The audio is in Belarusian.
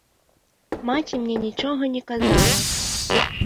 Маці мне нічога не казала.